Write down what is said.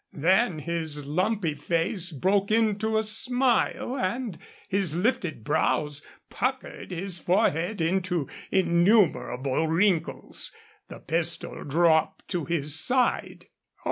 Then his lumpy face broke into a smile and his lifted brows puckered his forehead into innumerable wrinkles. The pistol dropped to his side.